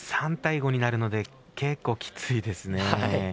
３対５になるので結構きついですね。